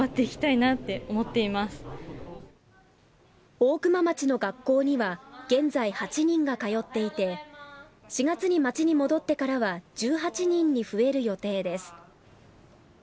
大熊町の学校には現在８人が通っていて４月に町に戻ってからは１８人に増える予定です。